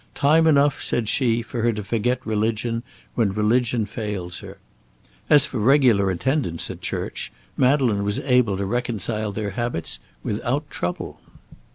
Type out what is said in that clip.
"Time enough," said she, "for her to forget religion when religion fails her." As for regular attendance at church, Madeleine was able to reconcile their habits without trouble.